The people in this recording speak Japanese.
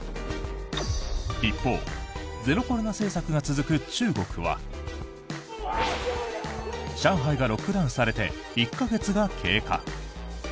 一方ゼロコロナ政策が続く中国は上海がロックダウンされて１か月が経過。